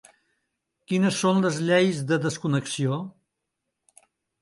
Quines són les lleis de desconnexió?